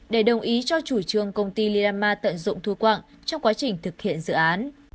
để đồng ý cho chủ trương công ty lirama tận dụng thu quạng trong quá trình thực hiện dự án